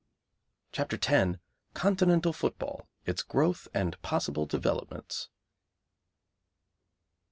CHAPTER X. Continental Football: Its Growth and Possible Developments.